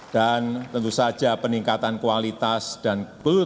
dan tentu saja peningkatan kualitas dan kualitas